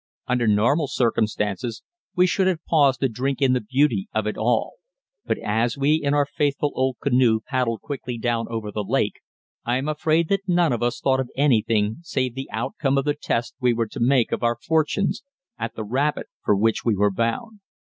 Under normal circumstances we should have paused to drink in the beauty of it all; but as we in our faithful old canoe paddled quickly down over the lake I am afraid that none of us thought of anything save the outcome of the test we were to make of our fortunes at the rapid for which we were bound.